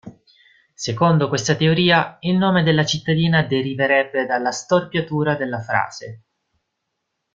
Secondo questa teoria il nome della cittadina deriverebbe dalla storpiatura della frase.